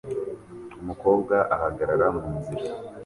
Umukobwa ahagarara munzira